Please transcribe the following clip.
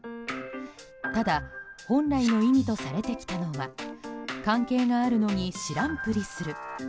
ただ本来の意味とされてきたのは関係があるのに知らんぷりする。